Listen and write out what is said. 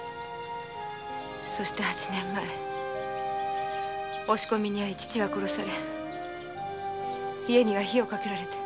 そして八年前押し込みに遭い父は殺され家には火をかけられ。